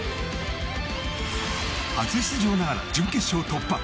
初出場ながら準決勝突破。